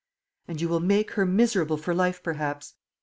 "And you will make her miserable for life, perhaps?"